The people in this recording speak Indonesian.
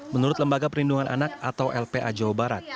menurut lembaga perlindungan anak atau lpa jawa barat